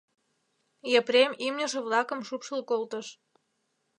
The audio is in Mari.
Епрем имньыже-влакым шупшыл колтыш.